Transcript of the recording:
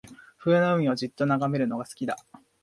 冬の海をじっと眺めるのが好きだ